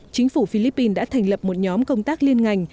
chính phủ philippines đã thành lập một nhóm công tác liên ngành